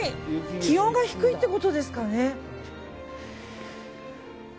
気温が低いってことですかね。